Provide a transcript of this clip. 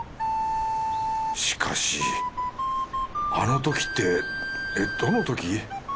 しかしあのときってえっどのとき？